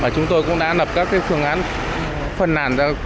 chúng tôi cũng đã lập các phương án phân nàn